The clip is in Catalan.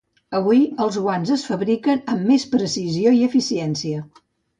Avui, els guants es fabriquen amb més precisió i eficiència.